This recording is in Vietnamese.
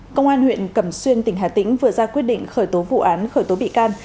công an huyện cẩm xuyên tỉnh hà tĩnh vừa ra quyết định khởi tố vụ án khởi tố bị can